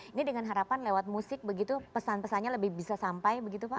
ini dengan harapan lewat musik begitu pesan pesannya lebih bisa sampai begitu pak